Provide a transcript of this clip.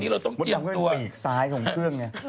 มดดำก็เป็นปีกซ้ายของเครื่องไง